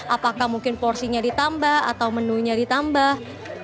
apakah mungkin porsinya ditambah atau menu nya ditambah